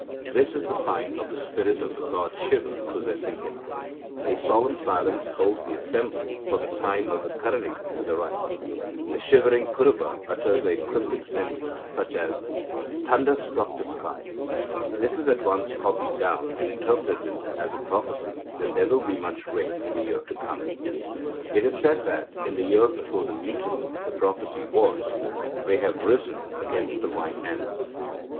This is the sign of the spirit of the god Siva possessing him. A solemn silence holds the assembly, for the time of the Karanika has arrived. The shivering Kuruba utters a cryptic sentence, such as 'Thunder struck the sky.' This is at once copied down, and interpreted as a prophecy that there will be much rain in the year to come." It is said that, in the year before the Mutiny, the prophecy was "They have risen against the white ants."